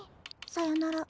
さよなら。